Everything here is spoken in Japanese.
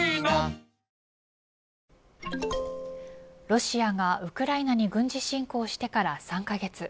ＪＴロシアがウクライナに軍事侵攻してから３カ月。